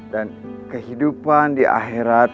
dan kehidupan di akhirat